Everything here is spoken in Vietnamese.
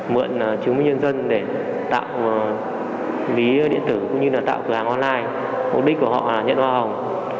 mượn chứng minh nhân dân để tạo lý điện tử cũng như là tạo cửa hàng online mục đích của họ là nhận hoa hồng